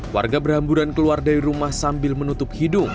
warga berhamburan keluar dari rumah sambil menutup hidung